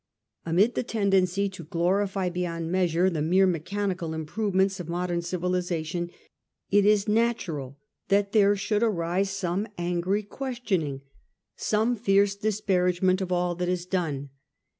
Amid the tendency to glorify beyond measure the mere mechanical improvements of modem civilisation, it is natural that there should arise some angry questioning, some fierce disparage 1837. MATERIAL PROGRESS. 83 ment of all that it has done.